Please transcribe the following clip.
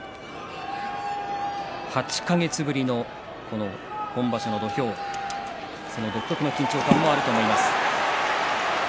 ８か月ぶりのこの本場所の土俵その独特の緊張感もあると思います。